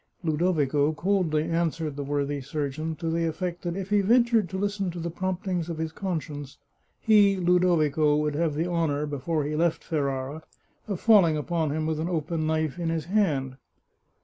Ludovico coldly answered the worthy surgeon to the effect that if he ventured to listen to the promptings of his conscience, he, Ludovico, would have the honour, before he left Ferrara, of falling upon him with an open knife in his hand.